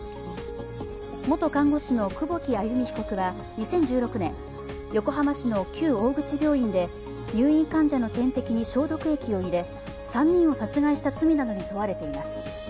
元看護師の久保木愛弓被告は２０１６年、横浜市の旧大口病院で入院患者の点滴に消毒液を入れ、３人を殺害した罪などに問われています。